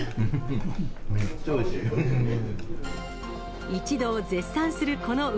めっちゃおいしい。